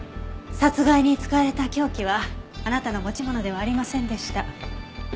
殺害に使われた凶器はあなたの持ち物ではありませんでした。